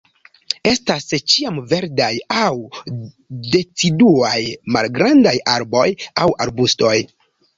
Estas ĉiamverdaj aŭ deciduaj, malgrandaj arboj aŭ arbustoj.